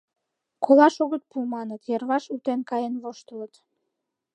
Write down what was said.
Колаш огыт пу, маныт, — йырваш утен каен воштылыт.